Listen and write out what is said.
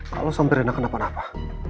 kalau sampai anak kenapa napa